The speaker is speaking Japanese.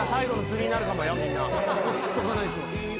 ここ釣っとかないと。